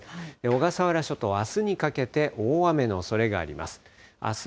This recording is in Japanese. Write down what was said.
小笠原諸島、あすにかけて大雨のおそれがあります。